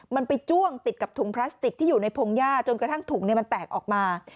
มันไปจ้วงติดกับถุงพลาสติกที่อยู่ในพงหญ้าจนกระทั่งถุงมันแตกออกมา